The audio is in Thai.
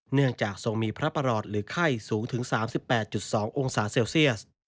เนื่องจากทรงมีพระประหลอดหรือไข้สูงถึง๓๘๒องศาเซลเซียส